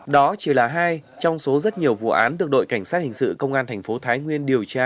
đó chỉ là hai trong số rất nhiều vụ án được đội cảnh sát hình sự công an thành phố thái nguyên điều tra